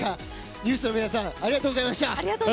ＮＥＷＳの皆さんありがとうございました。